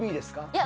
いや。